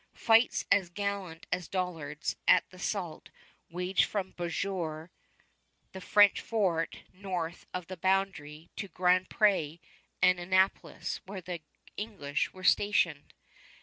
Fights as gallant as Dollard's at the Sault waged from Beauséjour, the French fort north of the boundary, to Grand Pré and Annapolis, where the English were stationed.